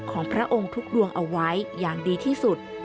ของพระองค์ทุกดวงเอาไว้อย่างดีที่สุด